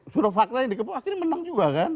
sudah fakta yang dikepuk akhirnya menang juga kan